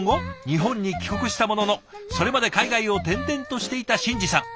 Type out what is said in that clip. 日本に帰国したもののそれまで海外を転々としていた新志さん。